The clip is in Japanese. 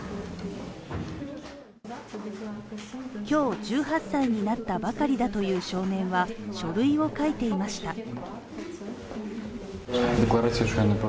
今日、１８歳になったばかりだという少年は書類を書いていました。